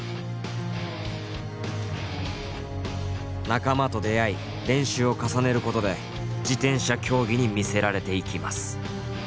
仲間と出会い練習を重ねることで自転車競技に魅せられていきます。